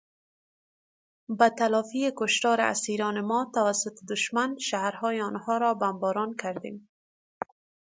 به تلافی کشتار اسیران ما توسط دشمن، شهرهای آنها را بمباران کردیم.